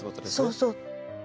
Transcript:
そうそう。